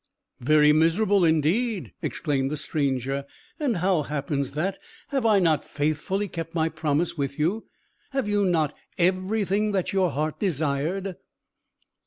"Very miserable, indeed!" exclaimed the stranger. "And how happens that? Have I not faithfully kept my promise with you? Have you not everything that your heart desired?"